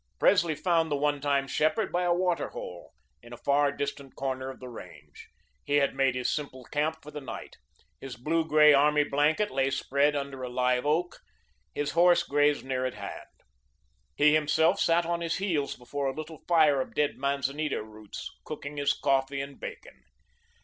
Presley found the one time shepherd by a water hole, in a far distant corner of the range. He had made his simple camp for the night. His blue grey army blanket lay spread under a live oak, his horse grazed near at hand. He himself sat on his heels before a little fire of dead manzanita roots, cooking his coffee and bacon.